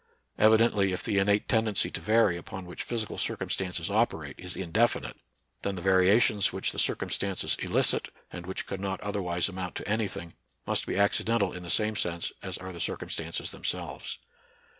Evidently if the innate ten dency to vary upon which physical circum stances operate is indefinite, then the variations which the circumstances elicit, and which could not otherwise amount to any thing, must be ac cidental in the same sense as are the circum stances themselves.